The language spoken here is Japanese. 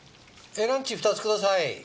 Ａランチ２つください。